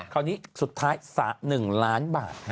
คราวนี้สุดท้าย๑ล้านบาท